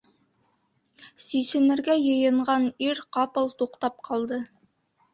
Сисенергә йыйынған ир ҡапыл туҡтап ҡалды.